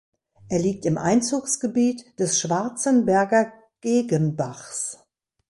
Er liegt im Einzugsgebiet des Schwarzenberger Gegenbachs.